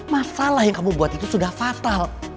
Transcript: masalah yang kamu buat itu sudah fatal